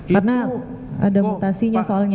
karena ada mutasinya soalnya